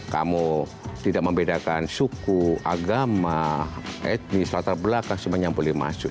kamu tidak membedakan suku agama etnis latar belakang semuanya yang boleh masuk